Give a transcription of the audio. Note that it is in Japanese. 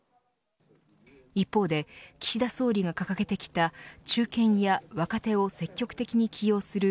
一方で、岸田総理が掲げてきた中堅や若手を積極的に起用する。